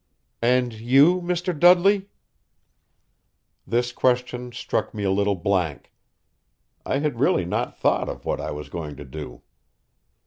"And you, Mr. Dudley?" This question struck me a little blank. I had really not thought of what I was going to do.